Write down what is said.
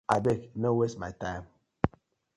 Abeg! No waste my time.